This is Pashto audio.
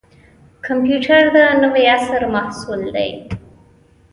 کمپیوټر د نوي عصر محصول دی